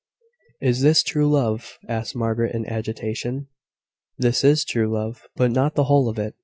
"Is this true love?" asked Margaret, in agitation. "This is true love; but not the whole of it.